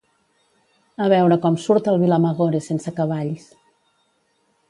A veure com surt el Vilamagore sense cavalls